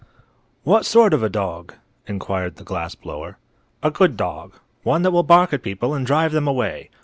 "What sort of a dog?" inquired the glass blower. "A good dog. One that will bark at people and drive them away.